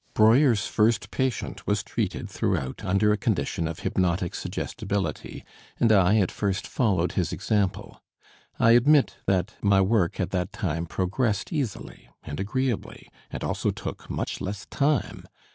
Breuer's first patient was treated throughout under a condition of hypnotic suggestibility, and I at first followed his example. I admit that my work at that time progressed easily and agreeably and also took much less time.